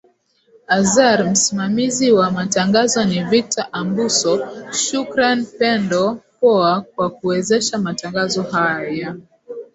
azar msimamizi wa matangazo ni victor ambuso shukran pendo poa kwa kuwezesha matangazo haya